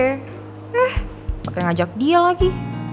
eh pake ngajak dia lagi